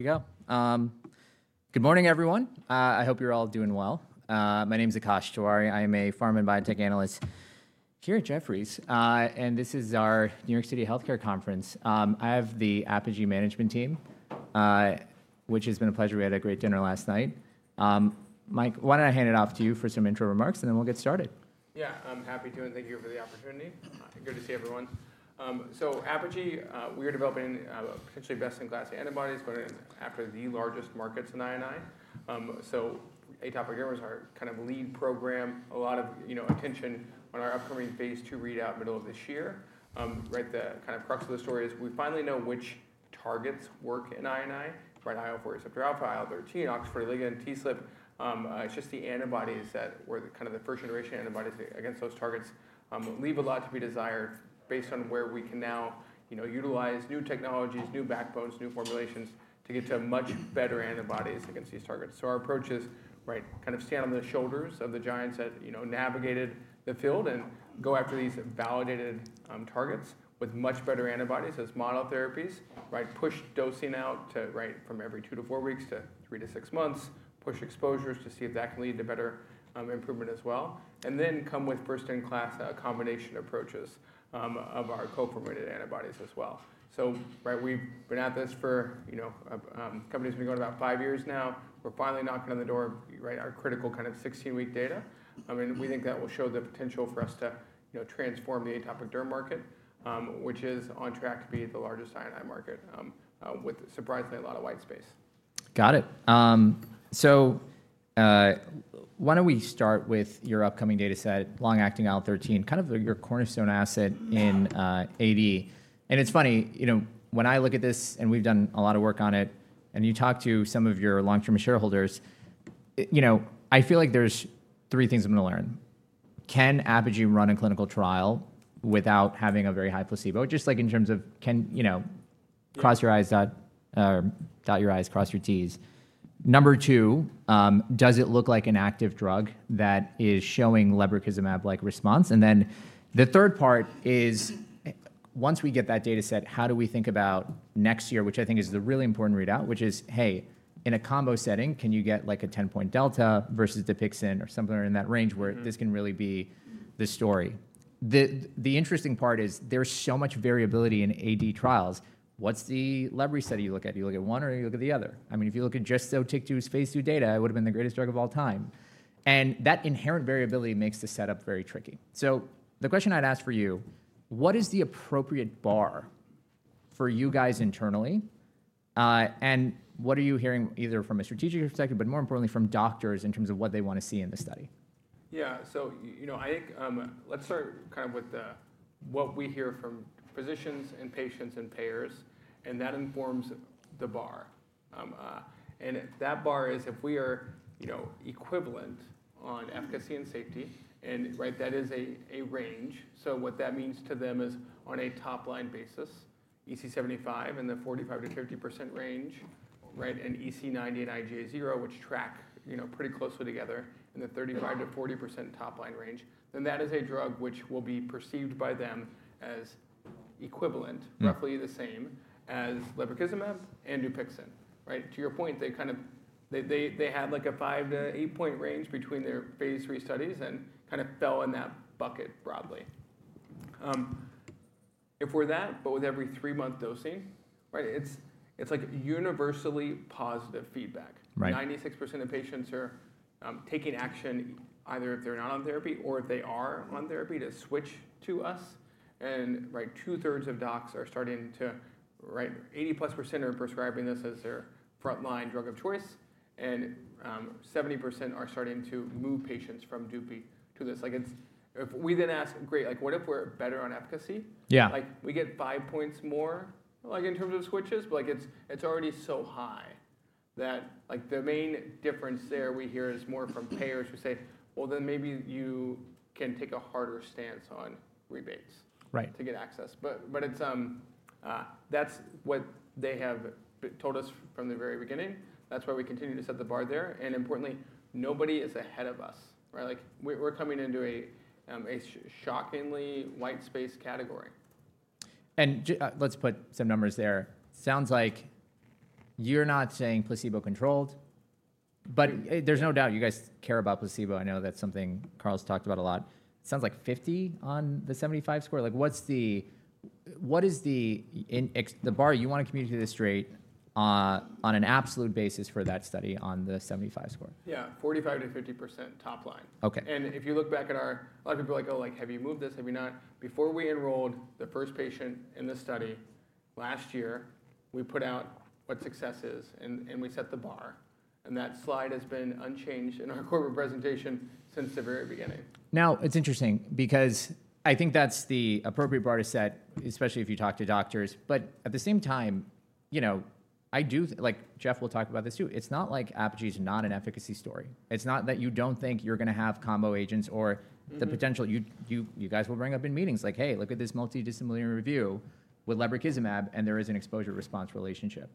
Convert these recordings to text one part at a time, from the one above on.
Good morning, everyone. I hope you're all doing well. My name is Akash Jawhari. I am a pharm and biotech analyst here at Jefferies, and this is our New York City Health Care Conference. I have the Apogee Management Team, which has been a pleasure. We had a great dinner last night. Mike, why don't I hand it off to you for some intro remarks, and then we'll get started. Yeah, I'm happy to, and thank you for the opportunity. Good to see everyone. Apogee, we are developing potentially best-in-class antibodies, but after the largest markets in I&I. [Atopic dermatitis] is our kind of lead program. A lot of attention on our upcoming phase II readout middle of this year. The kind of crux of the story is we finally know which targets work in I&I: IL-4 receptor alpha, IL-13, OX40 Ligand, TSLP. It's just the antibodies that were kind of the first-generation antibodies against those targets leave a lot to be desired based on where we can now utilize new technologies, new backbones, new formulations to get to much better antibodies against these targets. Our approach is kind of stand on the shoulders of the giants that navigated the field and go after these validated targets with much better antibodies as model therapies, push dosing out from every two to four weeks to three to six months, push exposures to see if that can lead to better improvement as well, and then come with first-in-class combination approaches of our co-formulated antibodies as well. We've been at this for companies have been going about five years now. We're finally knocking on the door of our critical kind of 16-week data. We think that will show the potential for us to transform the atopic derm market, which is on track to be the largest I&I market with surprisingly a lot of white space. Got it. So why don't we start with your upcoming data set, long-acting IL-13, kind of your cornerstone asset in AD. And it's funny, when I look at this and we've done a lot of work on it, and you talk to some of your long-term shareholders, I feel like there's three things I'm going to learn. Can Apogee run a clinical trial without having a very high placebo, just like in terms of cross your eyes, dot your i's, cross your t's? Number two, does it look like an active drug that is showing Lebrikizumab-like response? The third part is, once we get that data set, how do we think about next year, which I think is the really important readout, which is, hey, in a combo setting, can you get like a 10-point delta versus Dupixent or something in that range where this can really be the story? The interesting part is there's so much variability in AD trials. What's the Lebrikizumab study you look at? Do you look at one or do you look at the other? I mean, if you look at [just rocatinlimab's phase II data, it would have been the greatest drug of all time. That inherent variability makes the setup very tricky. The question I'd ask for you, what is the appropriate bar for you guys internally, and what are you hearing either from a strategic perspective, but more importantly, from doctors in terms of what they want to see in the study? Yeah, so I think let's start kind of with what we hear from physicians and patients and payers, and that informs the bar. That bar is if we are equivalent on efficacy and safety, and that is a range. What that means to them is on a top-line basis, EASI-75 in the 45%-50% range, and EASI-90 and IGA0, which track pretty closely together in the 35%-40% top-line range, then that is a drug which will be perceived by them as equivalent, roughly the same as Lebrikizumab and Dupixent. To your point, they kind of had like a five to eight point range between their phase III studies and kind of fell in that bucket broadly. If we're that, but with every three-month dosing, it's like universally positive feedback. 96% of patients are taking action either if they're not on therapy or if they are on therapy to switch to us. 2/3 of docs are starting to, 80%+ are prescribing this as their front-line drug of choice, and 70% are starting to move patients from Dupi to this. If we then ask, great, what if we're better on efficacy? Yeah. We get five points more in terms of switches, but it's already so high that the main difference there we hear is more from payers who say, well, then maybe you can take a harder stance on rebates to get access. That is what they have told us from the very beginning. That is why we continue to set the bar there. Importantly, nobody is ahead of us. We're coming into a shockingly white space category. Let's put some numbers there. Sounds like you're not saying placebo-controlled, but there's no doubt you guys care about placebo. I know that's something Carl talked about a lot. Sounds like 50 on the 75 score. What is the bar you want to communicate this straight on an absolute basis for that study on the 75 score? Yeah, 45%-50% top line. If you look back at our, a lot of people are like, oh, have you moved this? Have you not? Before we enrolled the first patient in the study last year, we put out what success is, and we set the bar. That slide has been unchanged in our corporate presentation since the very beginning. Now, it's interesting because I think that's the appropriate bar to set, especially if you talk to doctors. At the same time, I do think, like Jeff will talk about this too, it's not like Apogee is not an efficacy story. It's not that you don't think you're going to have combo agents or the potential you guys will bring up in meetings like, hey, look at this multidisciplinary review with Lebrikizumab, and there is an exposure-response relationship.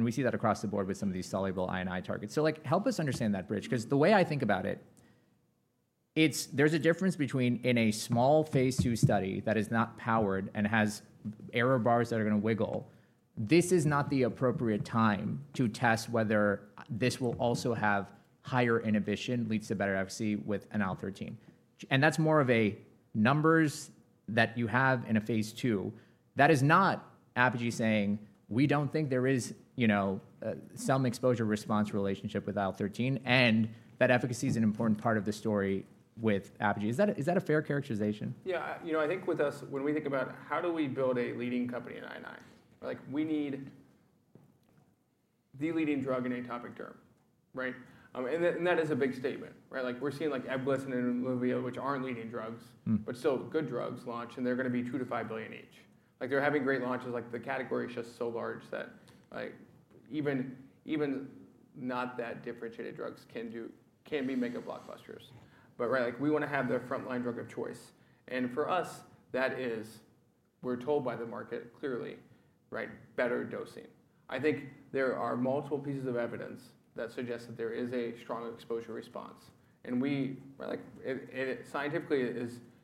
We see that across the board with some of these soluble I&I targets. Help us understand that bridge, because the way I think about it, there's a difference between in a small phase two study that is not powered and has error bars that are going to wiggle. This is not the appropriate time to test whether this will also have higher inhibition, leads to better efficacy with an IL-13. That is more of a numbers that you have in a phase II. That is not Apogee saying, we do not think there is some exposure-response relationship with IL-13, and that efficacy is an important part of the story with Apogee. Is that a fair characterization? Yeah, I think with us, when we think about how do we build a leading company in I&I, we need the leading drug in atopic derm. That is a big statement. We're seeing EBGLYSS and [Ebolivia], which aren't leading drugs, but still good drugs, launch, and they're going to be $2 billion-$5 billion each. They're having great launches. The category is just so large that even not that differentiated drugs can be mega blockbusters. We want to have their front-line drug of choice. For us, that is, we're told by the market clearly, better dosing. I think there are multiple pieces of evidence that suggest that there is a strong exposure response. Scientifically, it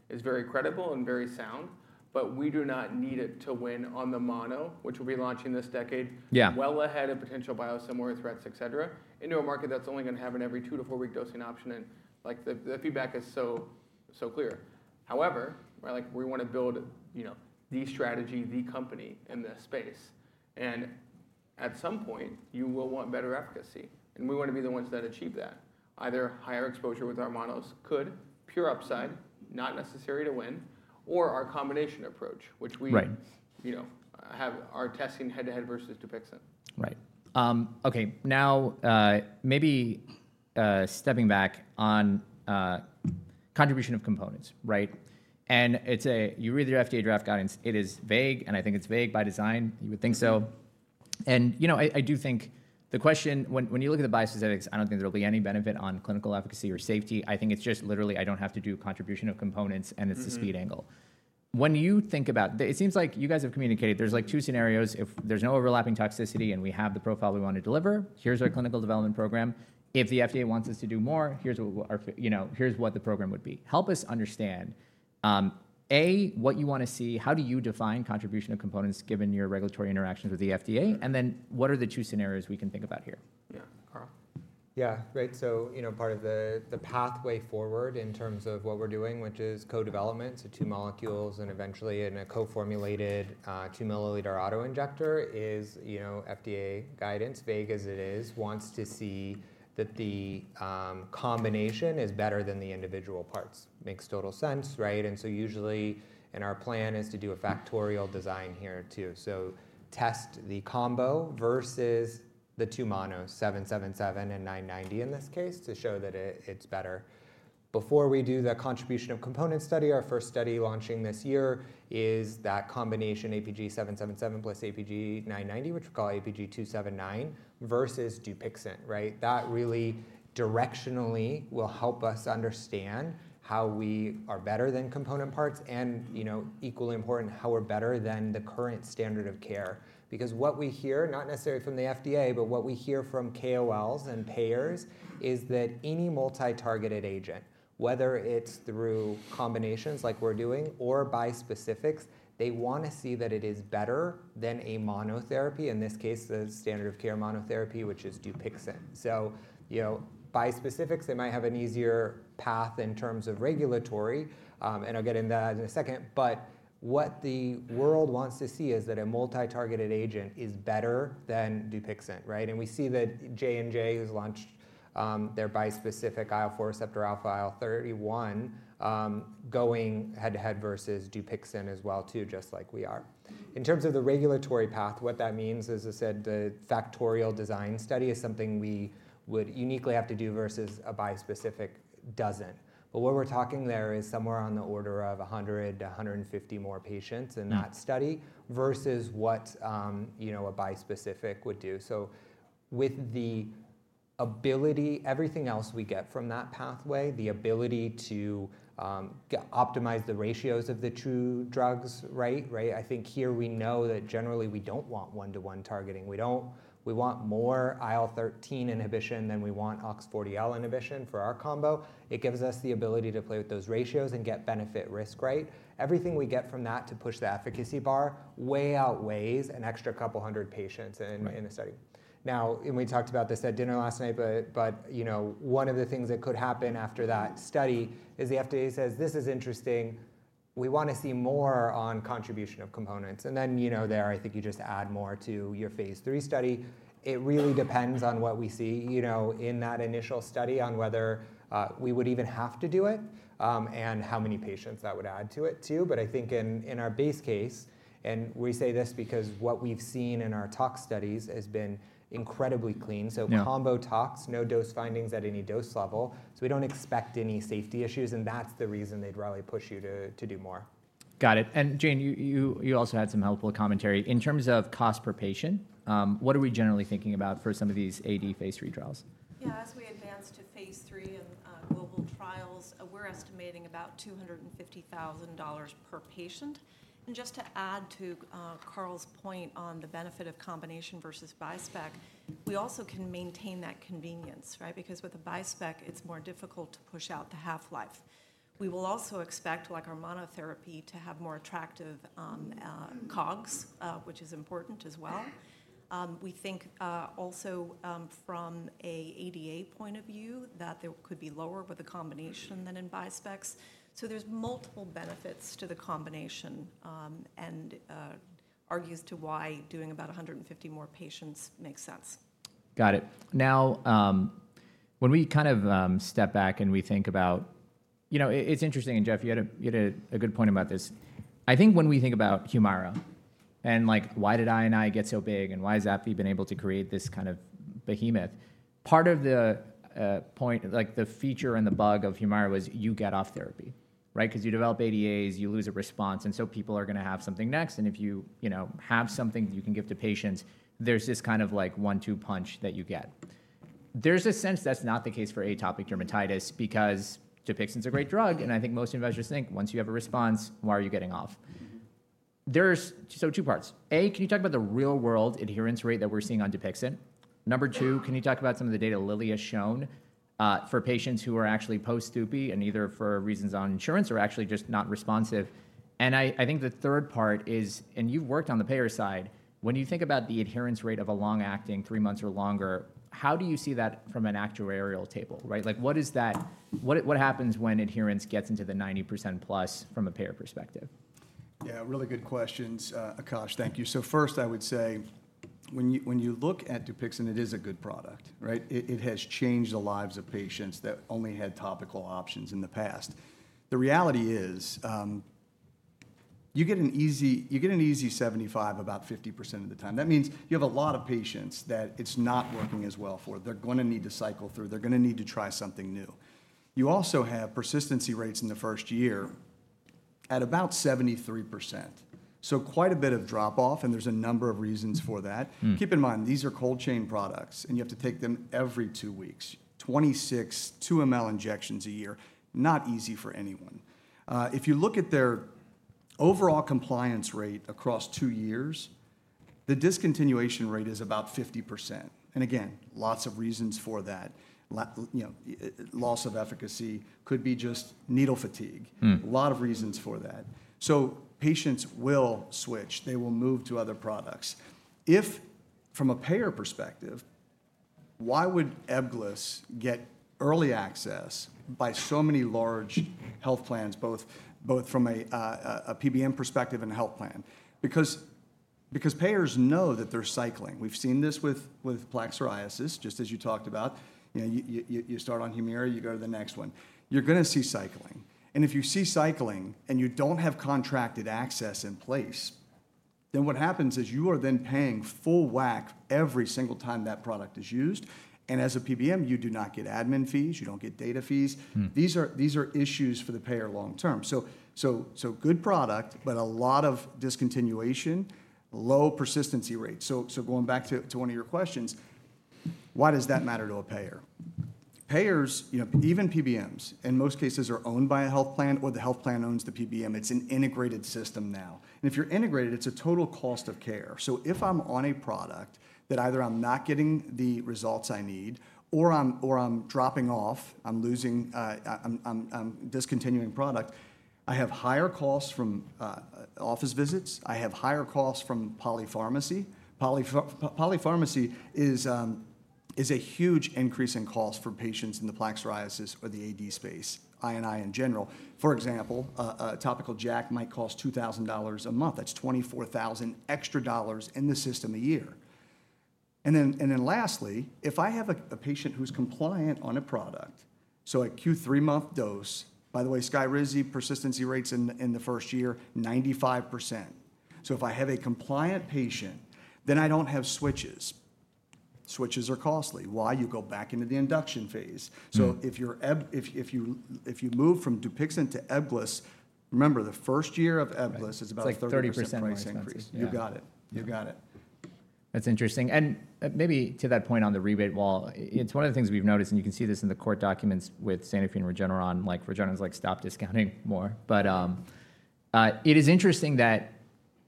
is very credible and very sound, but we do not need it to win on the mono, which will be launching this decade, well ahead of potential biosimilar threats, et cetera, into a market that is only going to have an every two- to four-week dosing option. The feedback is so clear. However, we want to build the strategy, the company in this space. At some point, you will want better efficacy. We want to be the ones that achieve that. Either higher exposure with our monos could, pure upside, not necessary to win, or our combination approach, which we have our testing head-to-head versus Dupixent. Right. OK, now maybe stepping back on contribution of components. You read the FDA draft guidance. It is vague, and I think it's vague by design. You would think so. I do think the question, when you look at the biosynthetics, I don't think there'll be any benefit on clinical efficacy or safety. I think it's just literally, I don't have to do contribution of components, and it's the speed angle. When you think about, it seems like you guys have communicated there's like two scenarios. If there's no overlapping toxicity and we have the profile we want to deliver, here's our clinical development program. If the FDA wants us to do more, here's what the program would be. Help us understand, A, what you want to see. How do you define contribution of components given your regulatory interactions with the FDA? What are the two scenarios we can think about here? Yeah, great. Part of the pathway forward in terms of what we're doing, which is co-development, so two molecules and eventually in a co-formulated two milliliter auto injector, is FDA guidance, vague as it is, wants to see that the combination is better than the individual parts. Makes total sense. Usually in our plan is to do a factorial design here too. Test the combo versus the two monos, 777 and 990 in this case, to show that it's better. Before we do the contribution of component study, our first study launching this year is that combination APG777 plus APG990, which we call APG279 versus Dupixent. That really directionally will help us understand how we are better than component parts and equally important how we're better than the current standard of care. Because what we hear, not necessarily from the FDA, but what we hear from KOLs and payers is that any multi-targeted agent, whether it's through combinations like we're doing or bispecifics, they want to see that it is better than a monotherapy, in this case, the standard of care monotherapy, which is Dupixent. Bispecifics, they might have an easier path in terms of regulatory, and I'll get into that in a second. What the world wants to see is that a multi-targeted agent is better than Dupixent. We see that J&J has launched their bispecific IL-4 receptor alpha IL-31 going head-to-head versus Dupixent as well too, just like we are. In terms of the regulatory path, what that means is, as I said, the factorial design study is something we would uniquely have to do versus a bispecific doesn't. What we are talking there is somewhere on the order of 100-150 more patients in that study versus what a bispecific would do. With the ability, everything else we get from that pathway, the ability to optimize the ratios of the two drugs, I think here we know that generally we do not want one-to-one targeting. We want more IL-13 inhibition than we want OX40L inhibition for our combo. It gives us the ability to play with those ratios and get benefit-risk rate. Everything we get from that to push the efficacy bar way outweighs an extra couple hundred patients in the study. We talked about this at dinner last night, but one of the things that could happen after that study is the FDA says, this is interesting. We want to see more on contribution of components. There, I think you just add more to your phase III study. It really depends on what we see in that initial study on whether we would even have to do it and how many patients that would add to it too. I think in our base case, and we say this because what we've seen in our tox studies has been incredibly clean. Combo tox, no dose findings at any dose level. We do not expect any safety issues. That is the reason they would really push you to do more. Got it. Jane, you also had some helpful commentary. In terms of cost per patient, what are we generally thinking about for some of these AD phase III trials? Yeah, as we advance to phase III and global trials, we're estimating about $250,000 per patient. Just to add to Carl's point on the benefit of combination versus bispec, we also can maintain that convenience. With the bispec, it's more difficult to push out the half-life. We will also expect our monotherapy to have more attractive cogs, which is important as well. We think also from an ADA point of view that there could be lower with a combination than in bispecs. There are multiple benefits to the combination and argues to why doing about 150 more patients makes sense. Got it. Now, when we kind of step back and we think about, it's interesting, and Jeff, you had a good point about this. I think when we think about HUMIRA and why did I&I get so big and why has Apogee been able to create this kind of behemoth, part of the point, the feature and the bug of HUMIRA was you get off therapy. Because you develop ADAs, you lose a response, and so people are going to have something next. If you have something you can give to patients, there's this kind of one-two punch that you get. There's a sense that's not the case for atopic dermatitis because Dupixent's a great drug. I think most investors think once you have a response, why are you getting off? There's two parts. A, can you talk about the real-world adherence rate that we're seeing on Dupixent? Number two, can you talk about some of the data Lilly has shown for patients who are actually post-Dupi and either for reasons on insurance or actually just not responsive? I think the third part is, and you've worked on the payer side, when you think about the adherence rate of a long-acting three months or longer, how do you see that from an actuarial table? What happens when adherence gets into the 90% plus from a payer perspective? Yeah, really good questions, Akash. Thank you. First, I would say when you look at Dupixent, it is a good product. It has changed the lives of patients that only had topical options in the past. The reality is you get an EASI-75 about 50% of the time. That means you have a lot of patients that it's not working as well for. They're going to need to cycle through. They're going to need to try something new. You also have persistency rates in the first year at about 73%. Quite a bit of drop-off, and there's a number of reasons for that. Keep in mind, these are cold chain products, and you have to take them every two weeks, 26 2 mL injections a year. Not easy for anyone. If you look at their overall compliance rate across two years, the discontinuation rate is about 50%. Again, lots of reasons for that. Loss of efficacy could be just needle fatigue. A lot of reasons for that. Patients will switch. They will move to other products. If from a payer perspective, why would EBGLYSS get early access by so many large health plans, both from a PBM perspective and a health plan? Payers know that they're cycling. We've seen this with plaque psoriasis, just as you talked about. You start on HUMIRA, you go to the next one. You're going to see cycling. If you see cycling and you do not have contracted access in place, what happens is you are then paying full whack every single time that product is used. As a PBM, you do not get admin fees. You do not get data fees. These are issues for the payer long-term. Good product, but a lot of discontinuation, low persistency rate. Going back to one of your questions, why does that matter to a payer? Payers, even PBMs, in most cases are owned by a health plan or the health plan owns the PBM. It is an integrated system now. If you are integrated, it is a total cost of care. If I am on a product that either I am not getting the results I need or I am dropping off, I am discontinuing product, I have higher costs from office visits. I have higher costs from polypharmacy. Polypharmacy is a huge increase in cost for patients in the plaque psoriasis or the AD space, I&I in general. For example, a topical JAK might cost $2,000 a month. That is $24,000 extra dollars in the system a year. Lastly, if I have a patient who's compliant on a product, so a Q3 month dose, by the way, SKYRIZI persistency rates in the first year, 95%. If I have a compliant patient, then I don't have switches. Switches are costly. Why? You go back into the induction phase. If you move from Dupixent to EBGLYSS, remember the first year of EBGLYSS is about 30% price increase. You got it. You got it. That's interesting. Maybe to that point on the rebate wall, it's one of the things we've noticed, and you can see this in the court documents with Sanofi and Regeneron. Regeneron's like stop discounting more. It is interesting that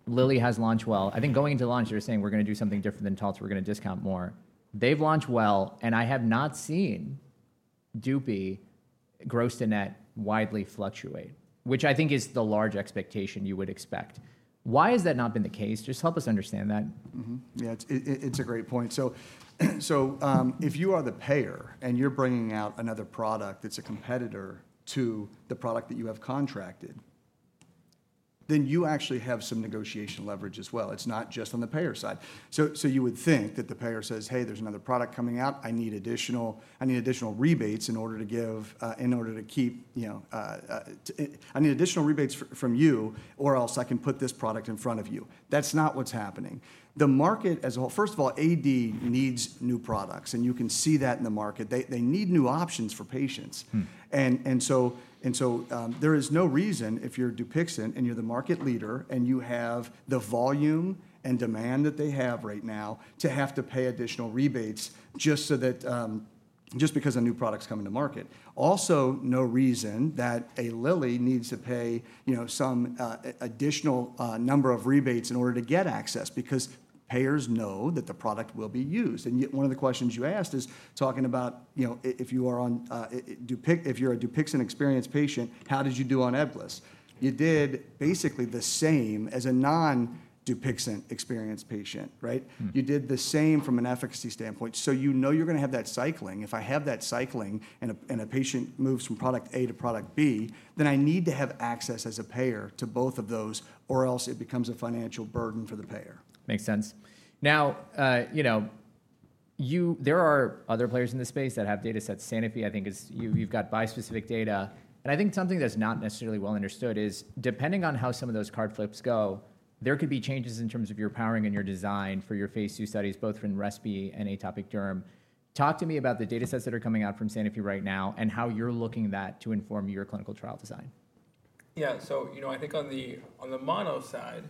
Lilly has launched well. I think going into launch, they're saying we're going to do something different than Taltz. We're going to discount more. They've launched well, and I have not seen Dupi gross to net widely fluctuate, which I think is the large expectation you would expect. Why has that not been the case? Just help us understand that. Yeah, it's a great point. If you are the payer and you're bringing out another product that's a competitor to the product that you have contracted, then you actually have some negotiation leverage as well. It's not just on the payer side. You would think that the payer says, hey, there's another product coming out. I need additional rebates in order to keep, I need additional rebates from you or else I can put this product in front of you. That's not what's happening. The market as a whole, first of all, AD needs new products, and you can see that in the market. They need new options for patients. There is no reason if you're Dupixent and you're the market leader and you have the volume and demand that they have right now to have to pay additional rebates just because a new product's coming to market. Also, no reason that a Lilly needs to pay some additional number of rebates in order to get access because payers know that the product will be used. One of the questions you asked is talking about if you're a Dupixent experienced patient, how did you do on EBGLYSS? You did basically the same as a non-Dupixent experienced patient. You did the same from an efficacy standpoint. You know you're going to have that cycling. If I have that cycling and a patient moves from product A to product B, then I need to have access as a payer to both of those or else it becomes a financial burden for the payer. Makes sense. Now, there are other players in this space that have data sets. Sanofi, I think you've got bispecific data. I think something that's not necessarily well understood is depending on how some of those card flips go, there could be changes in terms of your powering and your design for your phase II studies, both from RESP and atopic derm. Talk to me about the data sets that are coming out from Sanofi right now and how you're looking at that to inform your clinical trial design. Yeah, so I think on the mono side,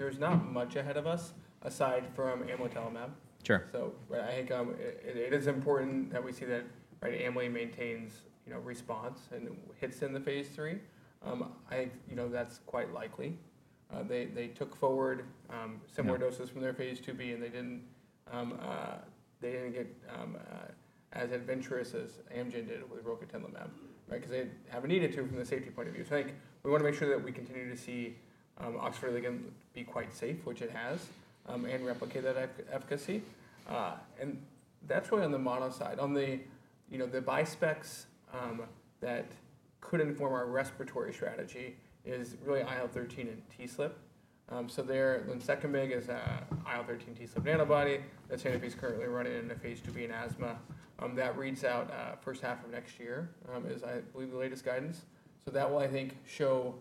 there's not much ahead of us aside from amlodipine mab. I think it is important that we see that amlodipine maintains response and hits in the phase three. I think that's quite likely. They took forward similar doses from their phase II B, and they didn't get as adventurous as Amgen did with rocatinlimab because they haven't needed to from the safety point of view. I think we want to make sure that we continue to see OX40 Ligand again be quite safe, which it has, and replicate that efficacy. That's really on the mono side. On the bispecs that could inform our respiratory strategy is really IL-13 and TSLP. The second big is IL-13 TSLP antibody that Sanofi is currently running in a phase IIB in asthma. That reads out first half of next year is, I believe, the latest guidance. That will, I think, show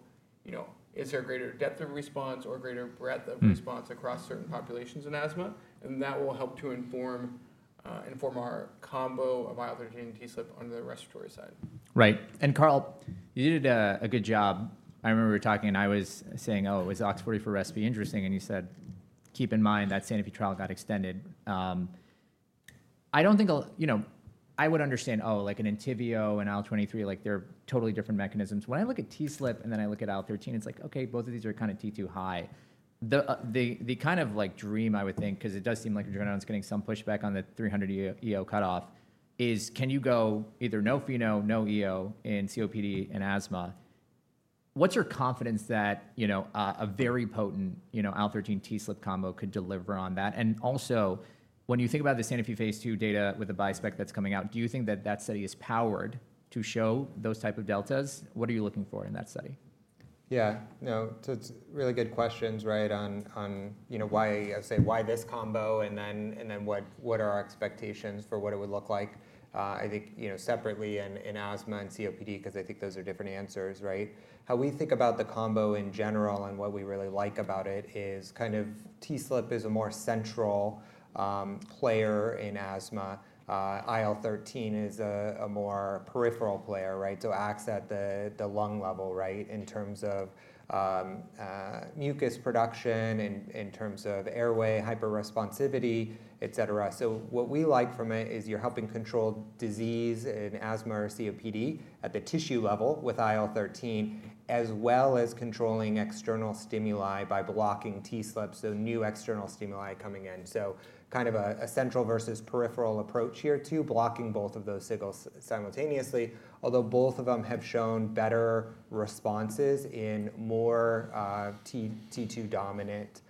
is there a greater depth of response or greater breadth of response across certain populations in asthma. That will help to inform our combo of IL-13 and TSLP on the respiratory side. Right. And Carl, you did a good job. I remember talking and I was saying, oh, it was OX40 for RESP, interesting. And you said, keep in mind that Sanofi trial got extended. I do not think I would understand, oh, like an ENTYVIO and IL-23, they are totally different mechanisms. When I look at TSLP and then I look at IL-13, it is like, OK, both of these are kind of T2 high. The kind of dream, I would think, because it does seem like Regeneron's getting some pushback on the 300 EO cutoff, is can you go either no pheno, no EO in COPD and asthma? What is your confidence that a very potent IL-13 TSLP combo could deliver on that? And also, when you think about the Sanofi phase two data with the bispec that is coming out, do you think that that study is powered to show those type of deltas? What are you looking for in that study? Yeah, no, two really good questions on why I say why this combo and then what are our expectations for what it would look like. I think separately in asthma and COPD, because I think those are different answers. How we think about the combo in general and what we really like about it is kind of TSLP is a more central player in asthma. IL-13 is a more peripheral player, so acts at the lung level in terms of mucus production, in terms of airway hyperresponsivity, et cetera. What we like from it is you're helping control disease in asthma or COPD at the tissue level with IL-13, as well as controlling external stimuli by blocking TSLP, so new external stimuli coming in. Kind of a central versus peripheral approach here too, blocking both of those signals simultaneously, although both of them have shown better responses in more T2 dominant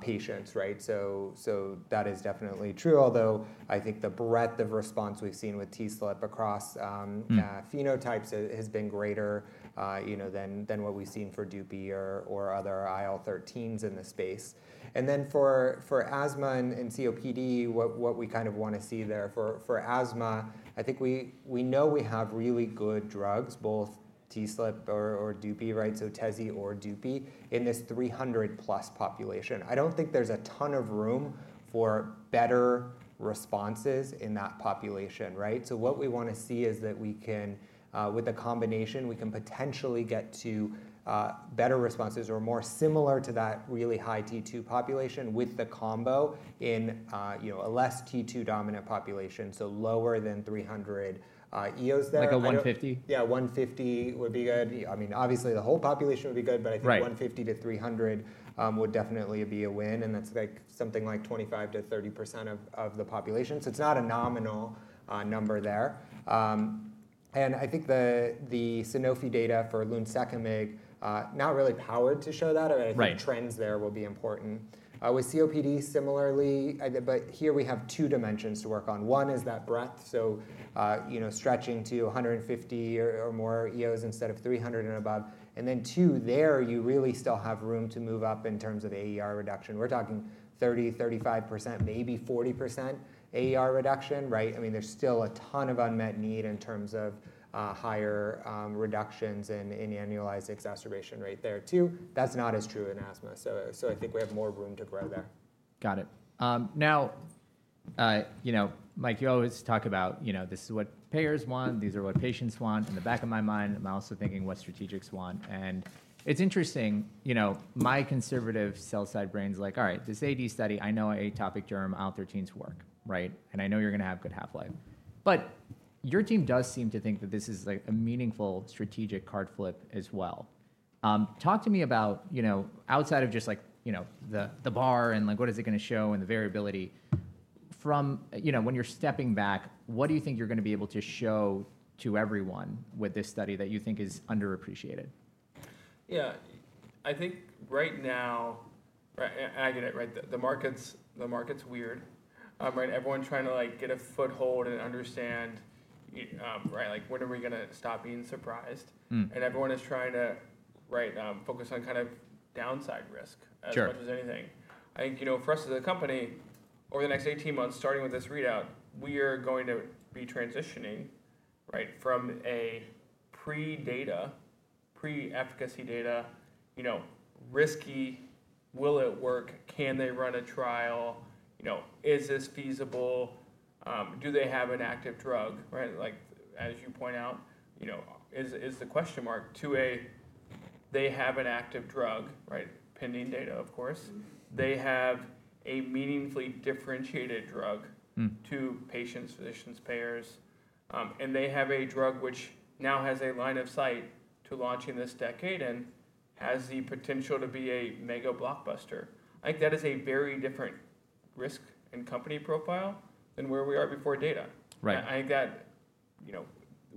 patients. That is definitely true, although I think the breadth of response we've seen with TSLP across phenotypes has been greater than what we've seen for Dupi or other IL-13s in the space. For asthma and COPD, what we kind of want to see there for asthma, I think we know we have really good drugs, both TSLP or Dupi, so Tezi or Dupixent in this 300 plus population. I don't think there's a ton of room for better responses in that population. What we want to see is that with a combination, we can potentially get to better responses or more similar to that really high T2 population with the combo in a less T2 dominant population, so lower than 300 EOs then. Like a 150? Yeah, 150 would be good. I mean, obviously, the whole population would be good, but I think 150-300 would definitely be a win. And that's something like 25%-30% of the population. So it's not a nominal number there. I think the Sanofi data for lunsekimig not really powered to show that. I think trends there will be important. With COPD, similarly, but here we have two dimensions to work on. One is that breadth, so stretching to 150 or more EOs instead of 300 and above. And then two, there you really still have room to move up in terms of AER reduction. We're talking 30%, 35%, maybe 40% AER reduction. I mean, there's still a ton of unmet need in terms of higher reductions in annualized exacerbation rate there too. That's not as true in asthma. I think we have more room to grow there. Got it. Now, Mike, you always talk about this is what payers want. These are what patients want. In the back of my mind, I'm also thinking what strategics want. It's interesting. My conservative sell-side brain's like, all right, this AD study, I know atopic derm, IL-13s work. I know you're going to have good half-life. Your team does seem to think that this is a meaningful strategic card flip as well. Talk to me about outside of just the bar and what is it going to show and the variability. From when you're stepping back, what do you think you're going to be able to show to everyone with this study that you think is underappreciated? Yeah, I think right now, and I get it, the market's weird. Everyone's trying to get a foothold and understand when are we going to stop being surprised. Everyone is trying to focus on kind of downside risk as much as anything. I think for us as a company, over the next 18 months, starting with this readout, we are going to be transitioning from a pre-data, pre-efficacy data, risky, will it work, can they run a trial, is this feasible, do they have an active drug? As you point out, is the question mark to a they have an active drug, pending data, of course. They have a meaningfully differentiated drug to patients, physicians, payers. They have a drug which now has a line of sight to launch in this decade and has the potential to be a mega blockbuster. I think that is a very different risk and company profile than where we are before data. I think that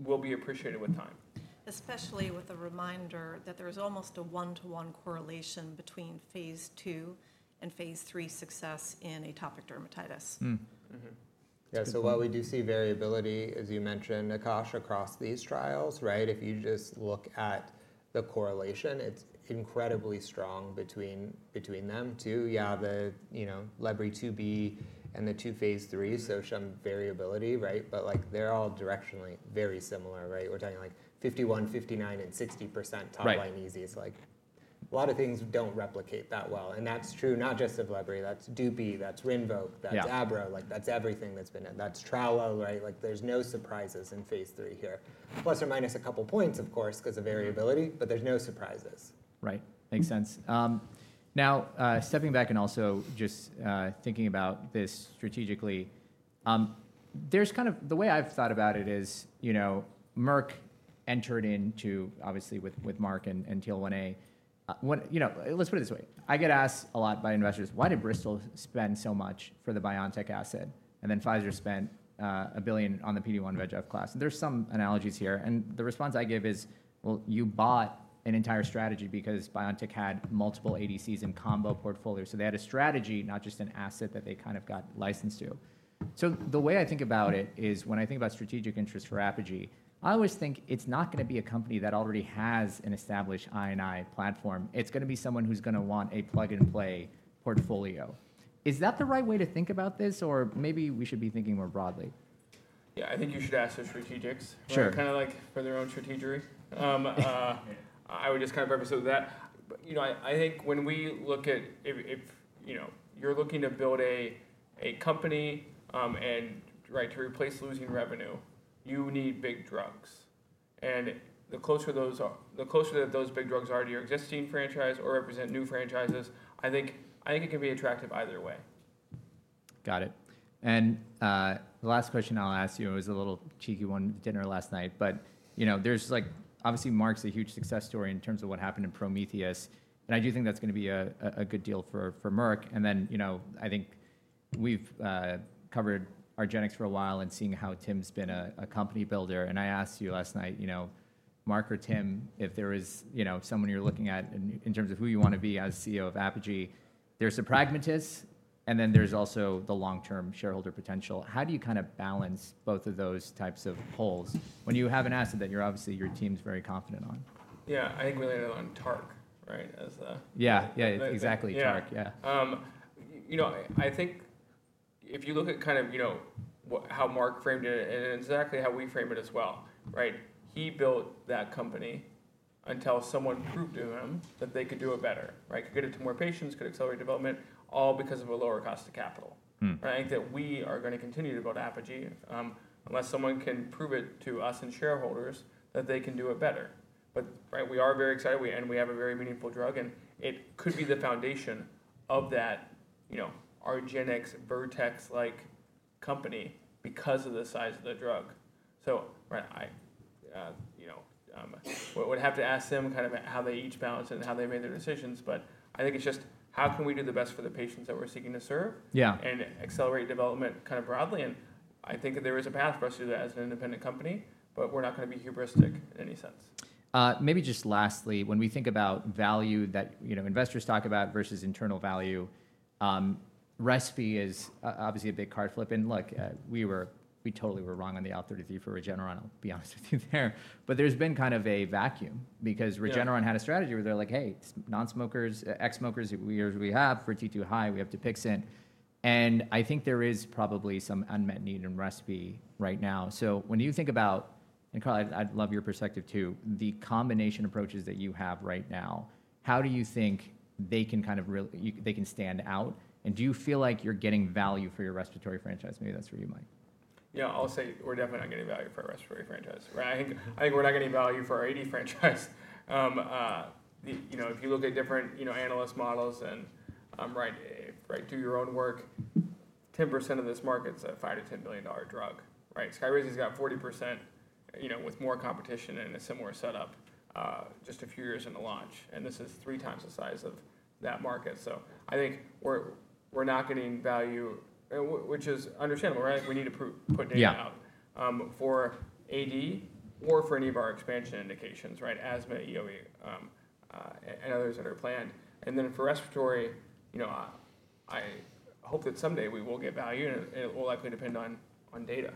will be appreciated with time. Especially with the reminder that there is almost a one-to-one correlation between phase II and phase III success in atopic dermatitis. Yeah, so while we do see variability, as you mentioned, Akash, across these trials, if you just look at the correlation, it's incredibly strong between them too. Yeah, the Lebri 2b and the two phase III, so some variability, but they're all directionally very similar. We're talking like 51%, 59%, and 60% top line EASIs. A lot of things don't replicate that well. And that's true not just of Lebri, that's Dupi, that's RINVOQ, that's Abro, that's everything that's been in. That's Tralo. There's no surprises in phase III here. Plus or minus a couple of points, of course, because of variability, but there's no surprises. Right, makes sense. Now, stepping back and also just thinking about this strategically, there's kind of the way I've thought about it is Merck entered into, obviously, with Mark and TL1A. Let's put it this way. I get asked a lot by investors, why did Bristol spend so much for the BioNTech asset? And then Pfizer spent a billion on the PD-1 VEGF class. There's some analogies here. The response I give is, you bought an entire strategy because BioNTech had multiple ADCs in combo portfolio. They had a strategy, not just an asset that they kind of got licensed to. The way I think about it is when I think about strategic interest for Apogee, I always think it's not going to be a company that already has an established I&I platform. It's going to be someone who's going to want a plug-and-play portfolio. Is that the right way to think about this? Or maybe we should be thinking more broadly? Yeah, I think you should ask the strategics kind of like for their own strategery. I would just kind of preface it with that. I think when we look at if you're looking to build a company and to replace losing revenue, you need big drugs. The closer those big drugs are to your existing franchise or represent new franchises, I think it can be attractive either way. Got it. The last question I'll ask you was a little cheeky one at dinner last night. Obviously, Mark's a huge success story in terms of what happened in Prometheus. I do think that's going to be a good deal for Merck. I think we've covered Argenx for a while and seeing how Tim's been a company builder. I asked you last night, Mark or Tim, if there is someone you're looking at in terms of who you want to be as CEO of Apogee, there's the pragmatists, and then there's also the long-term shareholder potential. How do you kind of balance both of those types of polls when you have an asset that obviously your team's very confident on? Yeah, I think we landed on TARC as the. Yeah, yeah, exactly, TARC. Yeah. I think if you look at kind of how Mark framed it and exactly how we frame it as well, he built that company until someone proved to him that they could do it better, could get it to more patients, could accelerate development, all because of a lower cost of capital. I think that we are going to continue to build Apogee unless someone can prove it to us and shareholders that they can do it better. We are very excited, and we have a very meaningful drug. It could be the foundation of that Argenx Vertex-like company because of the size of the drug. I would have to ask them kind of how they each balance it and how they made their decisions. I think it's just how can we do the best for the patients that we're seeking to serve and accelerate development kind of broadly. I think there is a path for us to do that as an independent company, but we're not going to be hubristic in any sense. Maybe just lastly, when we think about value that investors talk about versus internal value, RESP is obviously a big card flip. Look, we totally were wrong on the IL-33 for Regeneron, I'll be honest with you there. There's been kind of a vacuum because Regeneron had a strategy where they're like, hey, nonsmokers, ex-smokers, we have for T2 high, we have Dupixent. I think there is probably some unmet need in RESP right now. When you think about, and Carl, I'd love your perspective too, the combination approaches that you have right now, how do you think they can kind of stand out? Do you feel like you're getting value for your respiratory franchise? Maybe that's for you, Mike. Yeah, I'll say we're definitely not getting value for our respiratory franchise. I think we're not getting value for our AD franchise. If you look at different analyst models and do your own work, 10% of this market's a $5 billion-$10 billion drug. SKYRIZI's got 40% with more competition and a similar setup just a few years into launch. This is three times the size of that market. I think we're not getting value, which is understandable. We need to put data out for AD or for any of our expansion indications, asthma, EOE, and others that are planned. For respiratory, I hope that someday we will get value, and it will likely depend on data.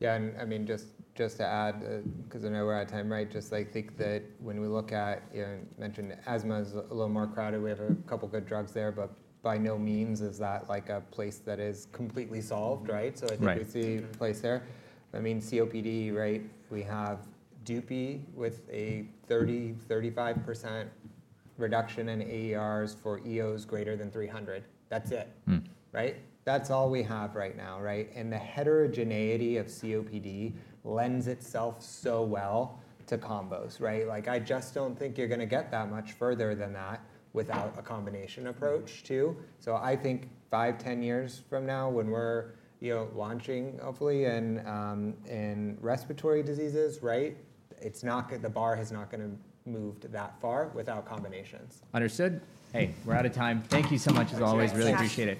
Yeah, and I mean, just to add, because I know we're at time, just I think that when we look at, you mentioned asthma is a little more crowded. We have a couple of good drugs there, but by no means is that like a place that is completely solved. I think we see a place there. I mean, COPD, we have Dupi with a 30%-35% reduction in AERs for EOs greater than 300. That's it. That's all we have right now. The heterogeneity of COPD lends itself so well to combos. I just don't think you're going to get that much further than that without a combination approach too. I think five, ten years from now when we're launching, hopefully, in respiratory diseases, the bar is not going to move that far without combinations. Understood. Hey, we're out of time. Thank you so much, as always. Really appreciate it.